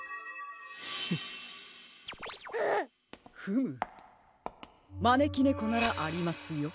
フムまねきねこならありますよ。